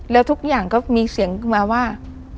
แล้วทุกอย่างก็มีเสียงขึ้นมาว่า